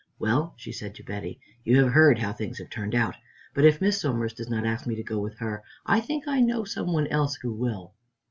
"Well," she said to Betty, "you have heard how things have turned out, but if Miss Somers does not ask me to go with, her, I think I know some one else who will."